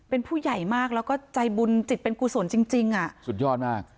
เป็นผู้ใหญ่มากแล้วก็ใจบุญจิตเป็นกุศลจริงจริงอ่ะสุดยอดมาก